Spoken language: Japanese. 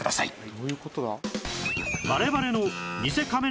どういう事だ？